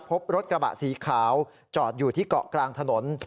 พบรถกระบะสีขาวจอดอยู่ที่เกาะกลางถนน